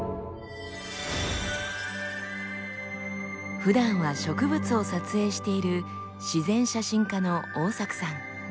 ふだんは植物を撮影している自然写真家の大作さん。